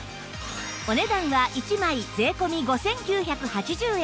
お値段は１枚税込５９８０円